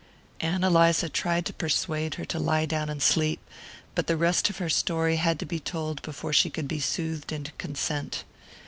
Ann Eliza tried to persuade her to lie down and sleep, but the rest of her story had to be told before she could be soothed into consent.